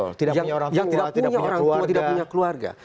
yang tidak punya orang tua tidak punya keluarga